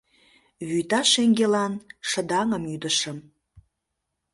Вӱта шеҥгелан шыдаҥым ӱдышым